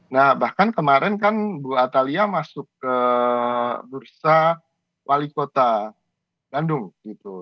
nah bahkan kemarin kan bu atalia masuk ke bursa wali kota bandung gitu